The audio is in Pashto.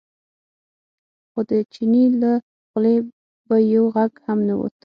خو د چیني له خولې به یو غږ هم نه ووت.